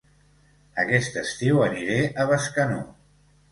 Aquest estiu aniré a Bescanó